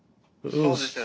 そうですよね。